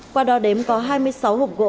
qua đó đếm có hai mươi sáu hộp gỗ